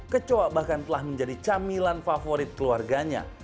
kecoa bahkan telah menjadi camilan favorit keluarganya